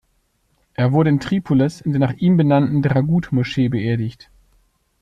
Er wurde in Tripolis in der nach ihm benannten Dragut-Moschee beerdigt.